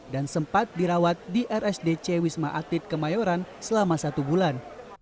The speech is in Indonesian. dan sempat dirawat di rsdc wisma atit kemayoran selama satu bulan